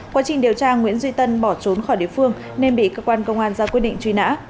quá trình điều tra nguyễn duy tân bỏ trốn khỏi địa phương nên bị cơ quan công an ra quyết định truy nã